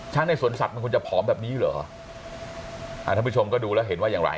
ในสวนสัตว์มันควรจะผอมแบบนี้เหรออ่าท่านผู้ชมก็ดูแล้วเห็นว่าอย่างไร